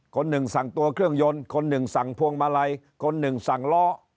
คนหนึ่งสั่งตัวเครื่องยนต์คนหนึ่งสั่งพวงมาลัยคนหนึ่งสั่งล้อ